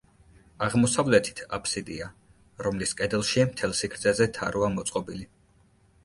აღმოსავლეთით აფსიდია, რომლის კედელში, მთელ სიგრძეზე, თაროა მოწყობილი.